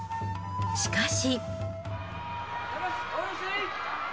しかし。